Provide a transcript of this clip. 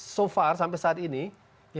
so far sampai saat ini